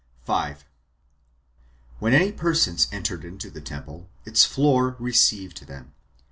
5. When any persons entered into the temple, its floor received them.